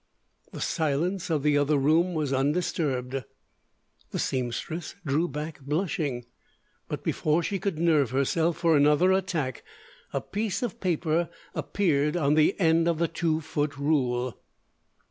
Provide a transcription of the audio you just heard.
The silence of the other room was undisturbed. The seamstress drew back, blushing. But before she could nerve herself for another attack, a piece of paper appeared on the end of the two foot rule.